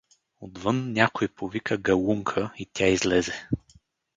Отвън някой повика Галунка и тя излезе.